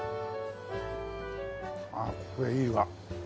あっこれいいわ。